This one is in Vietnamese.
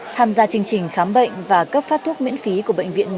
tham gia chương trình khám bệnh và cấp phát thuốc miễn phí của bệnh viện một trăm chín mươi tám